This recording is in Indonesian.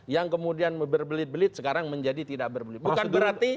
yang kemudian berbelit belit sekarang menjadi tidak berbelit